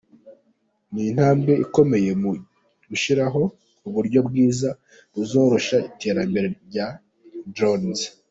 Ni intambwe ikomeye mu gushyiraho uburyo bwiza buzoroshya iterambere rya drones.